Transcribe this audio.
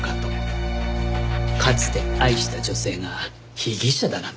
かつて愛した女性が被疑者だなんて。